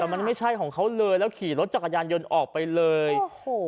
แต่มันไม่ใช่ของเขาเลยแล้วขี่รถจักรยานยนต์ออกไปเลยโอ้โห